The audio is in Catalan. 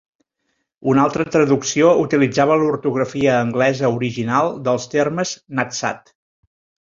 Una altra traducció utilitzava l'ortografia anglesa original dels termes Nadsat.